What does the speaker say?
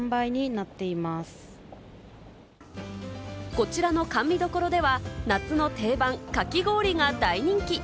こちらの甘味処では、夏の定番、かき氷が大人気。